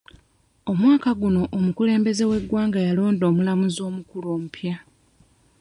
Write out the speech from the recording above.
Omwaka guno omukulembeze w'eggwanga yalonda omulamuzi omukulu omupya.